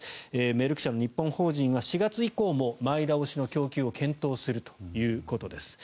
メルク社の日本法人は４月以降も前倒しの供給を検討するということです。